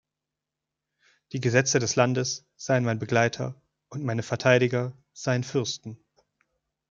Die Gesetze des Landes seien mein Begleiter, und meine Verteidiger seien Fürsten!